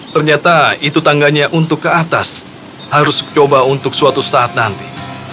ternyata itu tangganya untuk ke atas harus coba untuk suatu saat nanti